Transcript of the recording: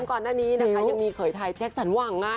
ก่อนหน้านี้นะคะยังมีเคยทายแจ็คสันว่างไง